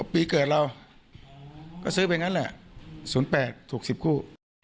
ปีเกิดเราก็ซื้อไปงั้นแหละศูนย์แปดถูกสิบคู่